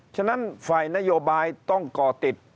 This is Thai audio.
ฉะนั้นฝ่ายนโยบายต้องก่อติด